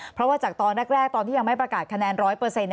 เพราะว่าจากตอนแรกตอนที่ยังไม่ประกาศคะแนน๑๐๐